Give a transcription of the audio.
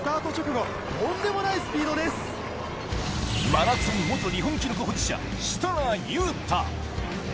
マラソン元日本記録保持者、設楽悠太。